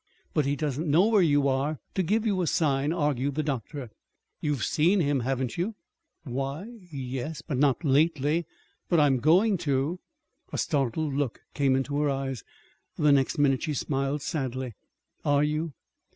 "But he doesn't know where you are, to give you a sign," argued the doctor. "You've seen him, haven't you?" "Why, y yes but not lately. But I'm going to." A startled look came into her eyes. The next minute she smiled sadly. "Are you?